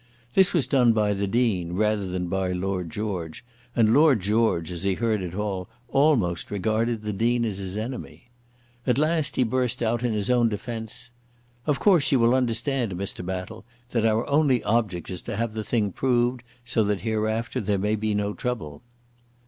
This was done by the Dean rather than by Lord George, and Lord George, as he heard it all, almost regarded the Dean as his enemy. At last he burst out in his own defence. "Of course you will understand, Mr. Battle, that our only object is to have the thing proved, so that hereafter there may be no trouble."